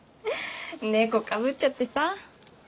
猫かぶっちゃってさ。